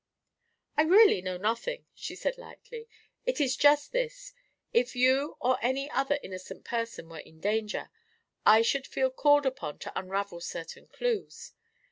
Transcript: "I really know nothing," she said lightly. "It is just this: if you or any other innocent person were in danger, I should feel called upon to unravel certain clues.